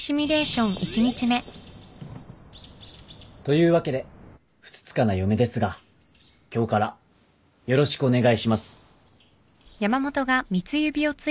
というわけでふつつかな嫁ですが今日からよろしくお願いします。